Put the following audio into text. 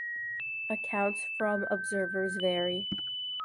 Accounts from observers vary.